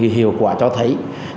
hiệu quả cho thấy